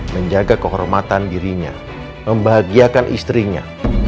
menjaga kehormatan dirinya membahagiakan istrinya